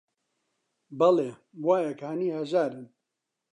بەڵێ: وایە کانی هەژارن